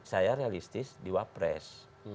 saya realistis di wapres